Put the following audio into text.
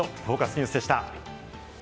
ニュースでした。